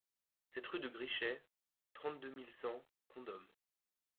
sept rue Grichet, trente-deux mille cent Condom